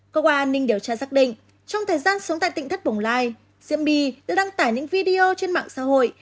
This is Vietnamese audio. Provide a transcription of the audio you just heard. cơ quan an ninh điều tra xác định trong thời gian sống tại tịnh thất bổng lai diễm bi đã đăng tải những video trên mạng xã hội